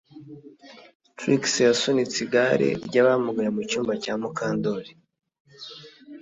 Trix yasunitse igare ryabamugaye mu cyumba cya Mukandoli